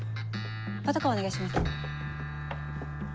パトカーお願いします。